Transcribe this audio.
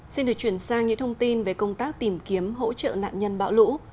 xin được chuyển sang những thông tin về công tác tìm kiếm hỗ trợ nạn nhân bão lũ